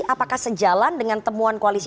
apakah sejalan dengan temuan koalisi